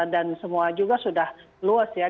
dan semua juga sudah luas ya